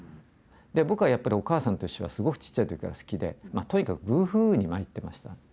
で僕はやっぱり「おかあさんといっしょ」がすごくちっちゃい時から好きでとにかく「ブーフーウー」にまいってました。